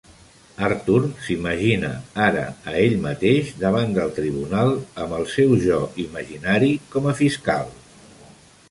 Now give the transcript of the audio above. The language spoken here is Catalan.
Artur s'imagina ara a ell mateix davant del tribunal, amb el seu jo imaginari com a fiscal.